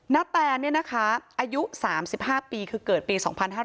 น้าแต่นี่นะคะอายุ๓๕ปีคือเกิดปี๒๕๒๘